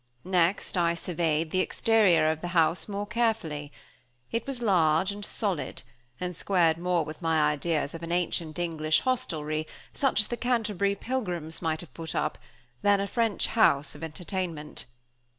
Next I surveyed the exterior of the house more carefully. It was large and solid, and squared more with my ideas of an ancient English hostelrie, such as the Canterbury Pilgrims might have put up at, than a French house of entertainment.